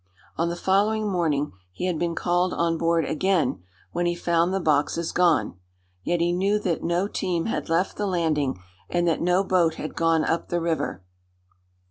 On the following morning he had been called on board again, when he found the boxes gone; yet he knew that no team had left the landing, and that no boat had gone up the river.